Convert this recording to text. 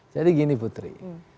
jadi gini putri